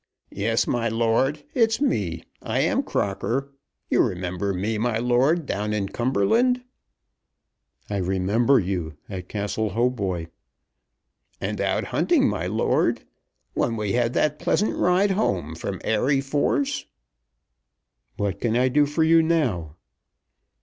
"Yes, my lord; it's me. I am Crocker. You remember me, my lord, down in Cumberland?" "I remember you, at Castle Hautboy." "And out hunting, my lord, when we had that pleasant ride home from Airey Force." "What can I do for you now?"